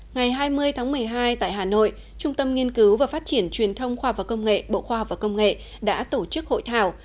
ngày hai mươi tháng một mươi hai tại hà nội trung tâm nghiên cứu và phát triển truyền thông khoa học và công nghệ bộ khoa học và công nghệ đã tổ chức hội thảo